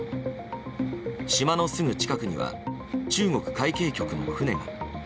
島のすぐ近くには中国海警局の船が。